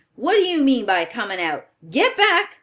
What do you mean by coming out? Get back!